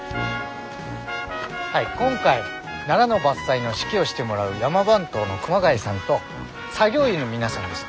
はい今回ナラの伐採の指揮をしてもらう山番頭の熊谷さんと作業員の皆さんです。